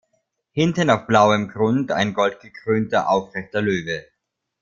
Hinten auf blauem Grund ein goldgekrönter aufrechter Löwe.